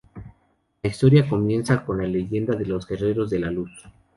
La historia comienza con La Leyenda de los Guerreros de la Luz.